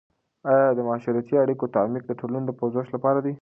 آیا د معاشرتي اړیکو تعمیق د ټولنو د پوزش لپاره دی؟